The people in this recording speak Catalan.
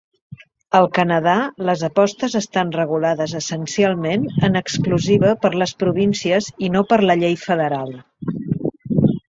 Al Canada, les apostes estan regulades essencialment en exclusiva per les províncies i no per la llei federal.